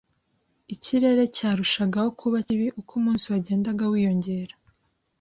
Ikirere cyarushagaho kuba kibi uko umunsi wagendaga wiyongera.